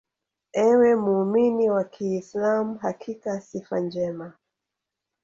Ewe muumini wa kiislam Hakika sifa njema